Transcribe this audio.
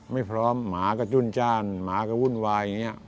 ไม่พร้อมหมาก็จุ้นจ้านหมาก็วุ่นวายอย่างนี้